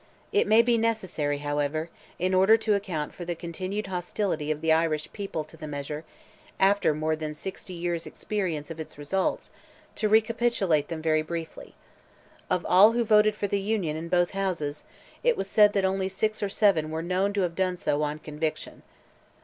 It may be necessary, however, in order to account for the continued hostility of the Irish people to the measure, after more than sixty years' experience of its results, to recapitulate them very briefly. Of all who voted for the Union, in both Houses, it was said that only six or seven were known to have done so on conviction.